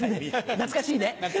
懐かしい。